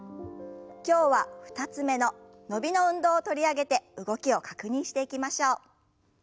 今日は２つ目の伸びの運動を取り上げて動きを確認していきましょう。